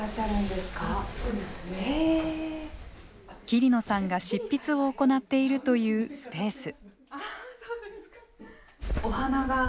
桐野さんが執筆を行っているというスペース。